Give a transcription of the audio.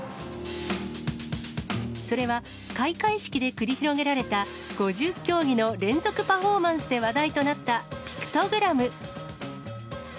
それは、開会式で繰り広げられた５０競技の連続パフォーマンスで話題となったピクトグラム。